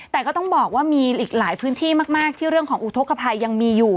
แต่ก็ต้องบอกว่ามีอีกหลายพื้นที่มากที่เรื่องของอุทธกภัยยังมีอยู่